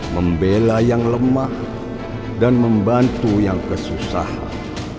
membela yang lemah dan membantu yang kesusahan